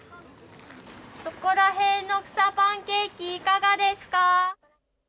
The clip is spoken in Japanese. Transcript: そこらへんの草パンケーキいかがですか。